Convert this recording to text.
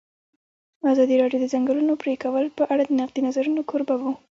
ازادي راډیو د د ځنګلونو پرېکول په اړه د نقدي نظرونو کوربه وه.